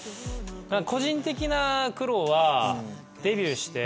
個人的な苦労はデビューして。